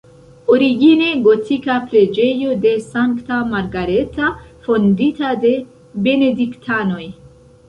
Origine gotika preĝejo de Sankta Margareta, fondita de benediktanoj.